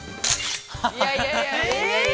◆いやいやいや。